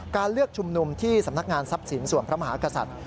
การเลือกชุมนุมที่สำนักงานทรัพย์สินส่วนพระมหากษัตริย์